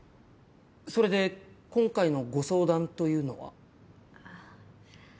それで今回のご相談というのは？